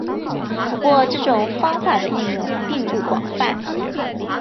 不过这种方法的应用并不广泛。